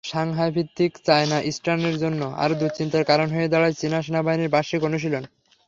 সাংহাইভিত্তিক China ইস্টার্নের জন্য আরও দুশ্চিন্তার কারণ হয়ে দাঁড়ায় চীনা সেনাবাহিনীর বার্ষিক অনুশীলন।